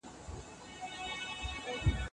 د ټولنیزو ډلو رفتار څېړل د مهمو پروژو لپاره اړین دی.